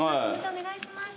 お願いします。